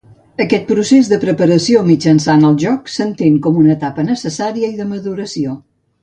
Aquest procés de preparació mitjançant el joc s'entén com una etapa necessària i de maduració.